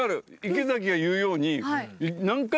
池崎が言うように分かる。